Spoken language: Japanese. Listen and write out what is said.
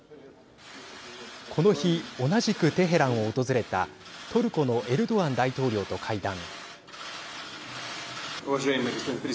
この日、同じくテヘランを訪れたトルコのエルドアン大統領と会談。